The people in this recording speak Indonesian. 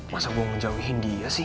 masa gue ngejauhin dia sih